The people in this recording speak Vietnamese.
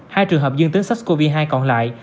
hai trường hợp dương tính sars cov hai còn lại